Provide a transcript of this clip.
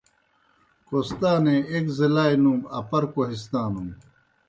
کوہستانے ایک ضلعلائے نوُم اپر کوہستانُن۔